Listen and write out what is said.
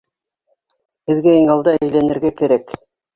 Һеҙгә иң алда әйләнергә кәрәк...